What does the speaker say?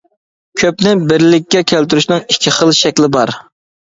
كۆپنى بىرلىككە كەلتۈرۈشنىڭ ئىككى خىل شەكلى بار.